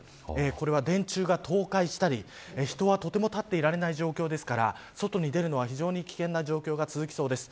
これは電柱が倒壊したり人はとても立っていられない状況ですから外に出るのは非常に危険な状況が続きそうです。